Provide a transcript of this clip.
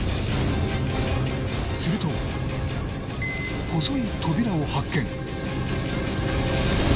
すると細い扉を発見